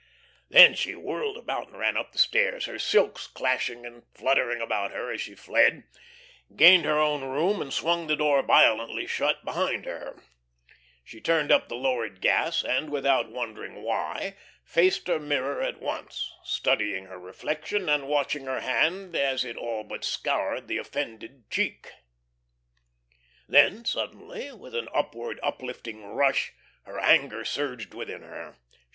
Then she whirled about and ran up the stairs, her silks clashing and fluttering about her as she fled, gained her own room, and swung the door violently shut behind her. She turned up the lowered gas and, without knowing why, faced her mirror at once, studying her reflection and watching her hand as it all but scoured the offended cheek. Then, suddenly, with an upward, uplifting rush, her anger surged within her.